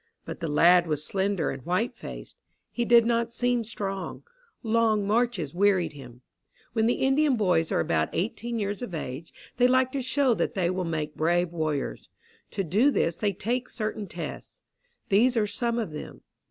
But the lad was slender and white faced. He did not seem strong; long marches wearied him. When the Indian boys are about eighteen years of age, they like to show that they will make brave warriors. To do this they take certain tests. These are some of them.